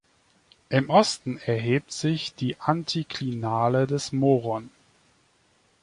Im Osten erhebt sich die Antiklinale des Moron.